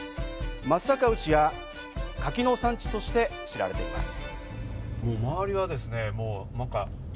松阪牛や柿の産地として知られています。